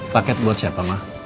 paket buat siapa ma